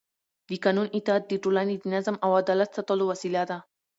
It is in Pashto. د قانون اطاعت د ټولنې د نظم او عدالت ساتلو وسیله ده